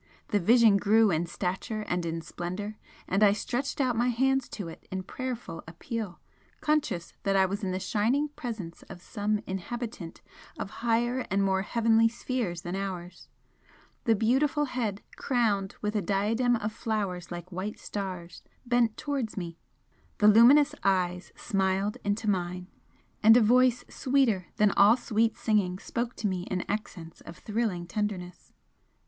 The Vision grew in stature and in splendour, and I stretched out my hands to it in prayerful appeal, conscious that I was in the shining Presence of some inhabitant of higher and more heavenly spheres than ours. The beautiful head, crowned with a diadem of flowers like white stars, bent towards me the luminous eyes smiled into mine, and a voice sweeter than all sweet singing spoke to me in accents of thrilling tenderness.